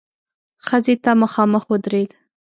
ښځې ته مخامخ ودرېد.